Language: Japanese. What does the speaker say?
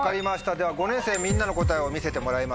では５年生みんなの答えを見せてもらいましょう。